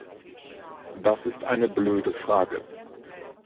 Das ist eine blöde Frage.